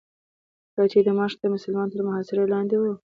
کله چې دمشق د مسلمانانو تر محاصرې لاندې و.